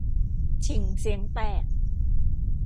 ฉิ่งเสียงแตก